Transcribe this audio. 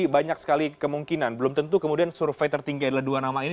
banyak sekali kemungkinan belum tentu kemudian survei tertinggi adalah dua nama ini